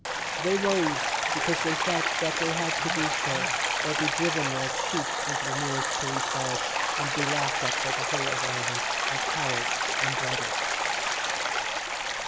They rose because they felt that they had to do so, or be driven like sheep into the nearest police barracks, and be laughed at by the whole of Ireland as cowards and braggarts.